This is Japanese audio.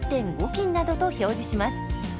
斤などと表示します。